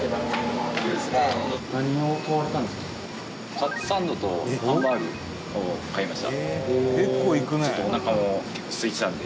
カツサンドとハンバーグを買いました。